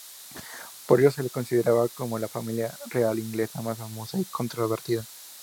Por ello se la considera como la familia real inglesa más famosa y controvertida.